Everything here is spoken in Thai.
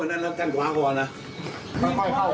อ่า